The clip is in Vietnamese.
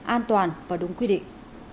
an toàn và đúng quy định